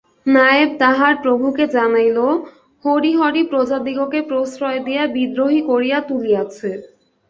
নায়েব তাহার প্রভুকে জানাইল, হরিহরই প্রজাদিগকে প্রশ্রয় দিয়া বিদ্রোহী করিয়া তুলিয়াছে।